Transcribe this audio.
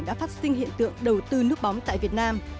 đã phát sinh hiện tượng đầu tư nước bóng tại việt nam